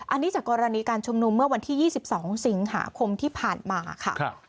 อันนี้จากกรณีการชุมนุมเมื่อวันที่๒๒สิงหาคมที่ผ่านมาค่ะ